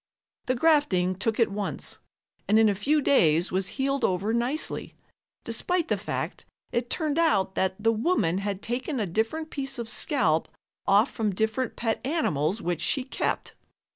The grafting took at once and in a few days was healed over nicely, despite the fact it turned out that the woman had taken a different piece of scalp off from different pet animals which she kept.